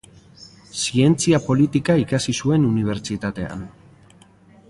Zientzia politika ikasi zuen unibertsitatean.